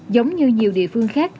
giống như nhiều địa phương khác